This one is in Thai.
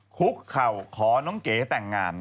คุกเข่าขอน้องเก๋แต่งงาน